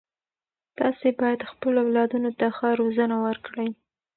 تاسې باید خپلو اولادونو ته ښه روزنه ورکړئ.